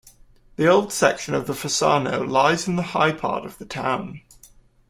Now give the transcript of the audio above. The old section of Fossano lies in the high part of the town.